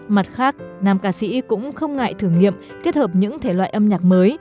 mặt khác nam ca sĩ cũng không ngại thử nghiệm kết hợp những thể loại âm nhạc mới